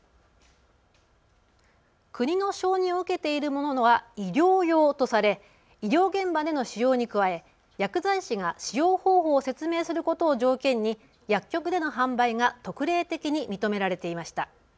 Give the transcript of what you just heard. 国の承認を受けているものは医療用とされ医療現場での使用に加え薬剤師が使用方法を説明することを条件に、薬局での販売が特例的に認められていました。